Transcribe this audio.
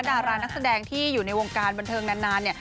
ดารานักแสดงที่อยู่ในวงการบันเทิงนานเนี่ย